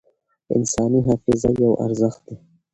انساني حافظه یو ارزښت دی.